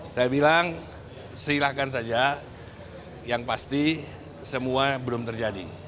saya bilang silahkan saja yang pasti semua belum terjadi